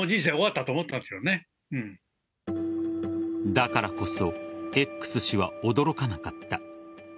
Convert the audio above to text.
だからこそＸ氏は驚かなかった。